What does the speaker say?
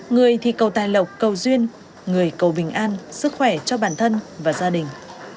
người thì cầu tài lộc cầu duyên người cầu bình an sức khỏe cho bản thân và gia đình